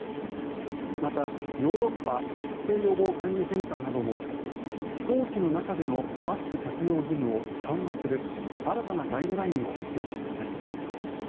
またヨーロッパ疾病予防管理センターなども飛行機の中でのマスク着用義務を緩和する新たなガイドラインを発表しました。